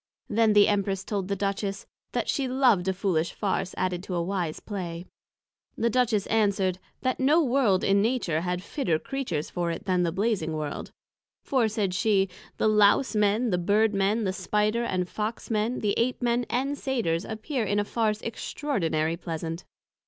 Then the Empress told the Duchess, That she loved a foolish Farse added to a wise Play. The Duchess answered, That no World in Nature had fitter Creatures for it than the Blazing World: for, said she, the Lowse men, the Bird men, the Spider and Fox men, the Ape men and Satyrs appear in a Farse extraordinary pleasant.